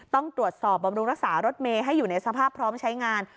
ต้องตรวจสอบบำรุงรักษารถเมย์ให้อยู่ในสภาพพร้อมใช้งาน